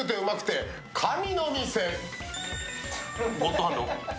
ゴッドハンド。